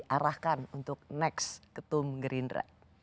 arahkan untuk next ketum gerindra